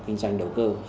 kinh doanh đầu cơ